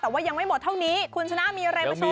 แต่ว่ายังไม่หมดเท่านี้คุณชนะมีอะไรมาแชร์